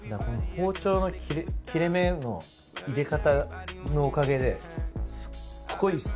包丁の切れ目の入れ方のおかげですっごい